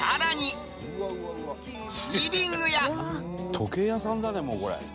「時計屋さんだねもうこれ」